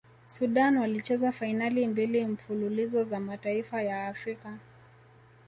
sudan walicheza fainali mbili mfululizo za mataifa ya afrika